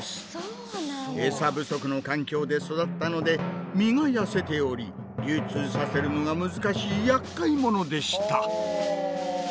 餌不足の環境で育ったので身が痩せており流通させるのが難しいやっかい者でした。